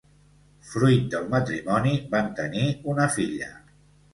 Fruit del matrimoni, van tenir una filla.